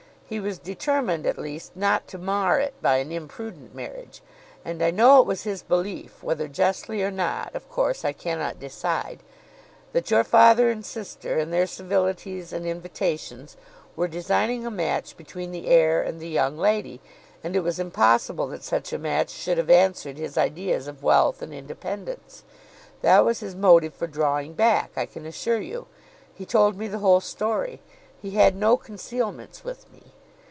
He was determined, at least, not to mar it by an imprudent marriage; and I know it was his belief (whether justly or not, of course I cannot decide), that your father and sister, in their civilities and invitations, were designing a match between the heir and the young lady, and it was impossible that such a match should have answered his ideas of wealth and independence. That was his motive for drawing back, I can assure you. He told me the whole story. He had no concealments with me.